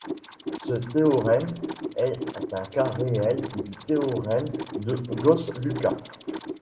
Ce théorème est un cas réel du théorème de Gauss-Lucas.